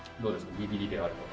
ビビりであるとか？